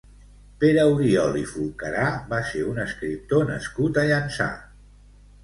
Pere Oriol i Fulcarà va ser un escriptor nascut a Llançà.